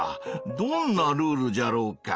どんなルールじゃろうか？